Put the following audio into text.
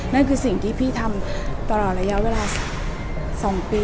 นั่นคือสิ่งที่พี่ทำตลอดระยะเวลา๒ปี